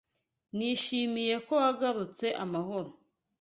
Nishimiye ko wagarutse amahoro.